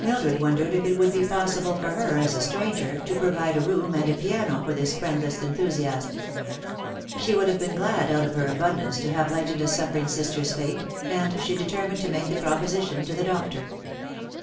Mildred wondered^ if it would be possible for her, as a stranger, to provide a room and a piano for this friendless enthusiast. She would have been glad out of her abundance to have light ened a suffering sister's fate, and she determined to make the proposition to the doctor.